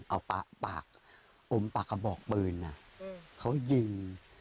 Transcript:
เอาปากอมปากกระบอกปืนเขายิง